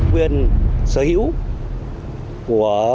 quyền sở hữu